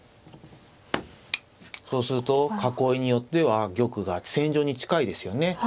そうすると囲いによっては玉が戦場に近いですよね。